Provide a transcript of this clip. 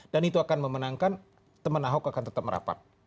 dan itu akan memenangkan teman ahok akan tetap merapat